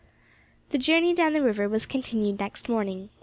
The journey down the river was continued next morning.